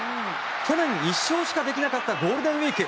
去年１勝しかできなかったゴールデンウィーク。